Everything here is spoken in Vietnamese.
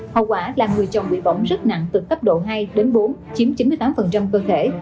hậu quả là người chồng bị bỏng rất nặng từ cấp độ hai đến bốn chiếm chín mươi tám cơ thể